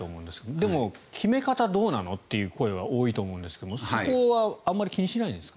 でも、決め方どうなの？という声は多いと思うんですけどそこはあまり気にしないんですか？